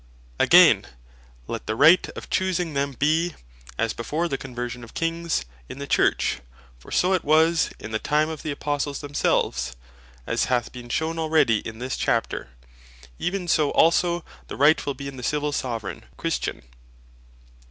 Again, let the right of choosing them be (as before the conversion of Kings) in the Church, for so it was in the time of the Apostles themselves (as hath been shewn already in this chapter); even so also the Right will be in the Civill Soveraign, Christian.